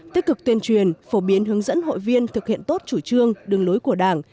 tích cực tuyên truyền phổ biến hướng dẫn hội viên thực hiện tốt chủ trương đường lối của đảng